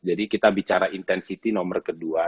jadi kita bicara intensiti nomor kedua